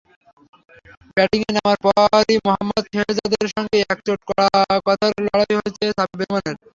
ব্যাটিংয়ে নামার পরই মোহাম্মদ শেহজাদের সঙ্গে একচোট কথার লড়াই হয়ে যায় সাব্বির রহমানের।